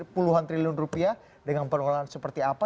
puluhan triliun rupiah dengan pengelolaan seperti apa